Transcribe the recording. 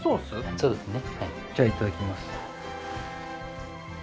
そうですねはいじゃあいただきます